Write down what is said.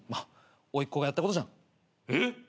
おいっ子がやったことじゃん。えっ！？